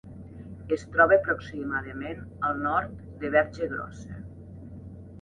Es troba aproximadament al nord de Verge Grossa.